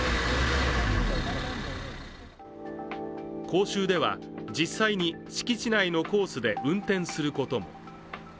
講習では、実際に敷地内のコースで運転することも。